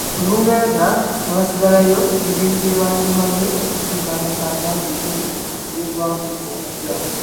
Olungereza lwo lwasigalayo engeri gye lwali lumaze okusimba amakanda mu bitundu by’eggwanga ebisinga.